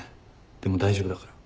でも大丈夫だから。